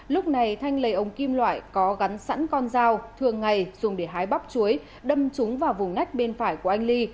lúc này thanh lấy ống kim loại có gắn sẵn con dao thường ngày dùng để hái bắp chuối đâm trúng vào vùng nách bên phải của anh ly